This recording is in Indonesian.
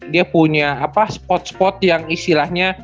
dia punya spot spot yang istilahnya